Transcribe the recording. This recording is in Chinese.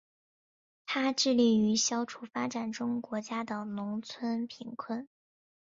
它致力于消除发展中国家的农村贫困。